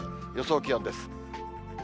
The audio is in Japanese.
予想気温です。